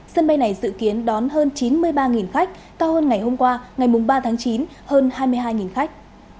sân bay này dự kiến đón hơn chín mươi ba khách cao hơn ngày hôm qua ngày ba tháng chín hơn hai mươi hai khách